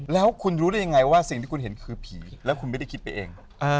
แล้วคุณรู้ได้ยังไงว่าสิ่งที่คุณเห็นคือผีแล้วคุณไม่ได้คิดไปเอง